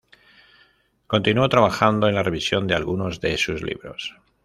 Continuó trabajando en la revisión de algunos de sus libros.